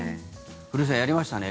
古市さん、やりましたね。